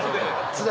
津田